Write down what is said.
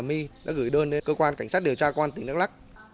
my đã gửi đơn đến cơ quan cảnh sát điều tra công an tỉnh đắk lắc